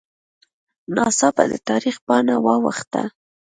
ناڅاپه د تاریخ پاڼه واوښته